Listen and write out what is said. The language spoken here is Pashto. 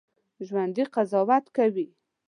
ژوندي قضاوت کوي